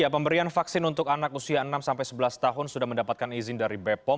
pemberian vaksin untuk anak usia enam sebelas tahun sudah mendapatkan izin dari bepom